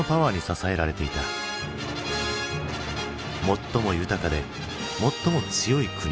最も豊かで最も強い国。